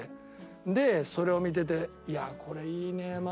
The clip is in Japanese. でそれを見てていやこれいいねママ。